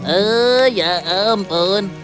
oh ya ampun